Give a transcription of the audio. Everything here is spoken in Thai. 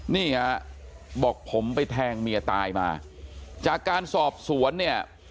นี่ฮะบอกผมไปแทงเมียตายมาจากการสอบสวนเนี่ย